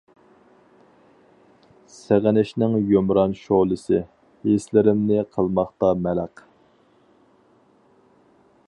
سېغىنىشنىڭ يۇمران شولىسى، ھېسلىرىمنى قىلماقتا مەلەق.